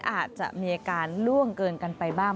อาจจะมีอาการล่วงเกินกันไปบ้าง